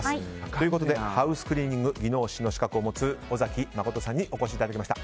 ということでハウスクリーニング技能士の資格を持つ尾崎真さんにお越しいただきました。